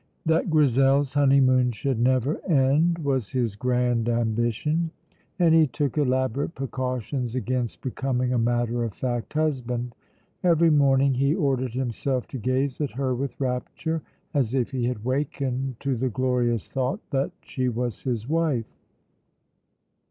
That Grizel's honeymoon should never end was his grand ambition, and he took elaborate precautions against becoming a matter of fact husband. Every morning he ordered himself to gaze at her with rapture, as if he had wakened to the glorious thought that she was his wife.